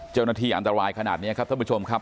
เจ้าหน้าที่อันตรายขนาดนี้ครับท่านผู้ชมครับ